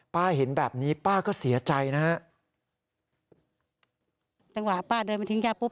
เห็นแบบนี้ป้าก็เสียใจนะฮะจังหวะป้าเดินมาทิ้งย่าปุ๊